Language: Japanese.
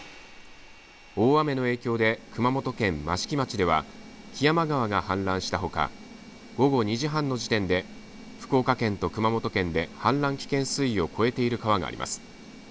大雨の影響で熊本県益城町では木山川が氾濫したほか午後２時半の時点で福岡県と熊本県で氾濫危険水位を超えている川があります。